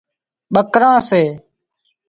ٻڪران سي